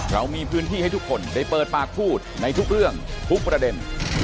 เรามีพื้นที่ให้ทุกคนได้เปิดปากพูดในทุกเรื่องทุกประเด็น